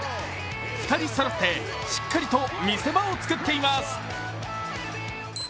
２人そろってしっかりと見せ場を作っています。